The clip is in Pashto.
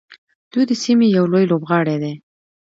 دوی د سیمې یو لوی لوبغاړی دی.